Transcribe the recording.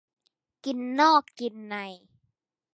กินนอกกินใน